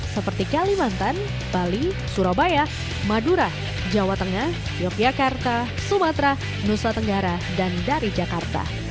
seperti kalimantan bali surabaya madura jawa tengah yogyakarta sumatera nusa tenggara dan dari jakarta